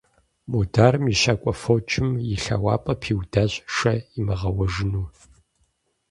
Мударым и щакӀуэ фочым и лъэуапэр пиудащ шэ имыгъэуэжыну.